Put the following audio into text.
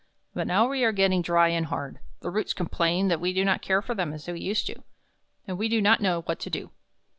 But now we are getting dry and hard, the roots complain that we do not care for them as we used to; and we do not know what to do."